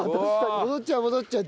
戻っちゃう戻っちゃう。